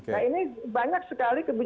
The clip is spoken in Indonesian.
nah ini banyak sekali